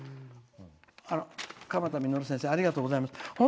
鎌田實先生ありがとうございます。